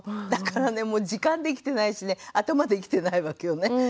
だからね時間で生きてないしね頭で生きてないわけよね。